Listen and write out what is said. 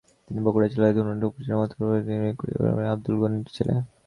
তিনি বগুড়া জেলার ধুনট উপজেলার মথুরাপুর ইউনিয়নের কুড়িগাঁতী গ্রামের আবদুল গণির ছেলে।